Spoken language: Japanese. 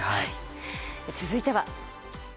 続いては。